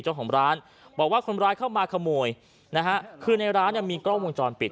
เจ้าของร้านบอกว่าคนร้ายเข้ามาขโมยนะฮะคือในร้านเนี่ยมีกล้องวงจรปิด